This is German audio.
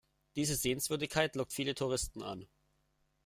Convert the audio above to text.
Diese Sehenswürdigkeit lockt viele Touristen an.